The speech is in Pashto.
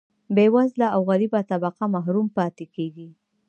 بیوزله او غریبه طبقه محروم پاتې کیږي.